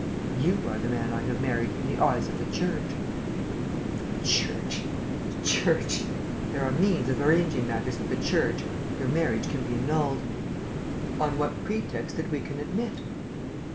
"You are the man I have married in the eyes of the Church." "The Church! The Church! There are means of arranging matters with the Church.... Your marriage can be annulled." "On what pretext that we can admit?"